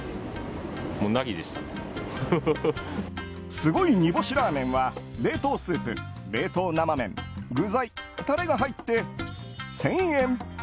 すごい煮干ラーメンは冷凍スープ、冷凍生麺具材、タレが入って１０００円。